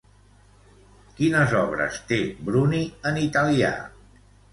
Quines obres té Bruni en italià?